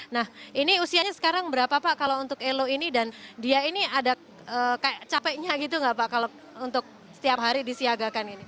nah ini usianya sekarang berapa pak kalau untuk elo ini dan dia ini ada capeknya gitu nggak pak kalau untuk setiap hari disiagakan ini